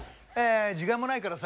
時間もないからさ